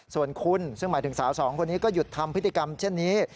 ส่วนคุณซึ่งหมายถึงสาวสองคนนี้ก็หยุดทำพฤติกรรมเช่นนี้